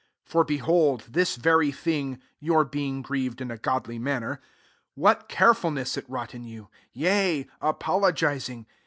11 Fo behold, this very thing, (fyoui being grieved in a godly wMi ner,) what carefulness it wrougl in you, yea, apologizing!